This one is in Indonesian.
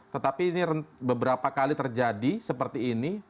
tetapi ini beberapa kali terjadi seperti ini